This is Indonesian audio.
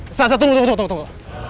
elsa tunggu tunggu tunggu